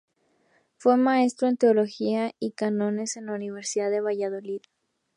Fue maestro en teología y cánones en la universidad de Valladolid.